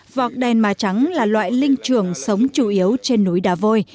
vọt đen má trắng là loại linh trường sống chủ yếu trên núi đà vôi